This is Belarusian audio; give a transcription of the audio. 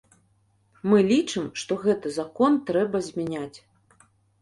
Мы лічым, што гэты закон трэба змяняць.